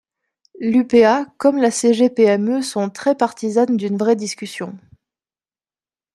L’UPA comme la CGPME sont très partisanes d’une vraie discussion.